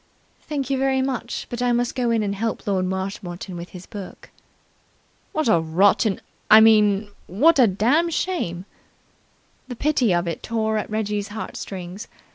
"Thank you very much, but I must go in and help Lord Marshmoreton with his book." "What a rotten I mean, what a dam' shame!" The pity of it tore at Reggie's heart strings.